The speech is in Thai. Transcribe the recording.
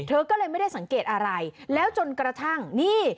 เธอก็เลยไม่ได้สังเกตอะไรแล้วจนกระทั่งนี่